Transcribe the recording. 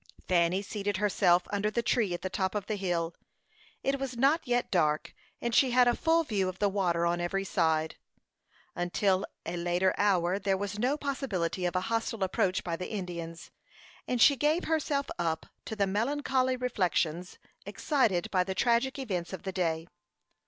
Fanny seated herself under the tree at the top of the hill. It was not yet dark, and she had a full view of the water on every side. Until a later hour there was no possibility of a hostile approach by the Indians, and she gave herself up to the melancholy reflections excited by the tragic events of the day.